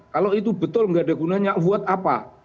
kalau itu betul nggak ada gunanya buat apa